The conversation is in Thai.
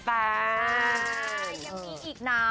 ยังมีอีกเนาะ